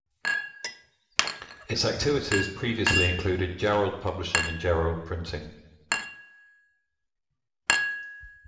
Its activities previously included Jarrold Publishing and Jarrold Printing.